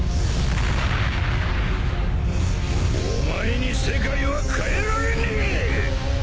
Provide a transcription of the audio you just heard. お前に世界は変えられねえ！